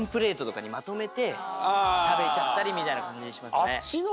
食べちゃったりみたいな感じにしますね。